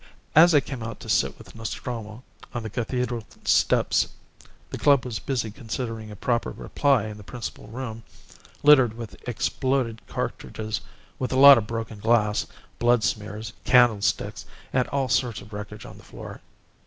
As I came out to sit with Nostromo on the cathedral steps the club was busy considering a proper reply in the principal room, littered with exploded cartridges, with a lot of broken glass, blood smears, candlesticks, and all sorts of wreckage on the floor.